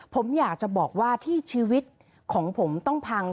ผมอยากจะบอกว่าที่ชีวิตของผมต้องพัง